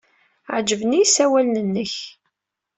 Ɛejben-iyi yisawalen-nnek.